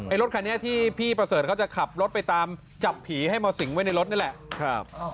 รถคันนี้ที่พี่ประเสริฐเขาจะขับรถไปตามจับผีให้มาสิงไว้ในรถนี่แหละ